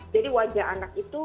jadi wajah anak itu